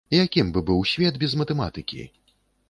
Якім бы быў свет без матэматыкі?